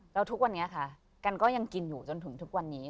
แล้วทุกวันนี้ค่ะกันก็ยังกินอยู่จนถึงทุกวันนี้